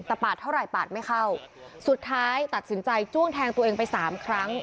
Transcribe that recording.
แต่ปาดเท่าไหร่ปาดไม่เข้าสุดท้ายตัดสินใจจ้วงแทงตัวเองไปสามครั้ง